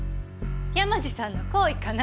山路さんの厚意かな？